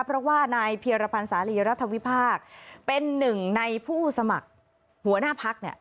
เพราะว่านายเพียรพันธ์สาลีรัฐวิพากษ์เป็นหนึ่งในผู้สมัครหัวหน้าพักเนี่ย